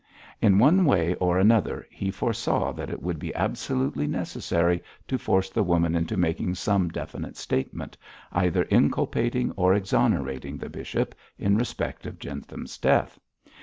In one way or another he foresaw that it would be absolutely necessary to force the woman into making some definite statement either inculpating or exonerating the bishop in respect of Jentham's death.